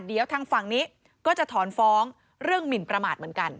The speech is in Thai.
เดี๋ยวทางฝั่งนี้ก็จะถอนฟ้องเรื่องหมินประมาทเหมือนกัน